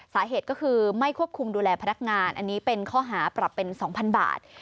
สาเหตุก็คือไม่ควบคุมดูแลพนักงานอันนี้เป็นข้อหาปรับเป็น๒๐๐บาท